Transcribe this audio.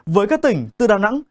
với các tỉnh từ đà nẵng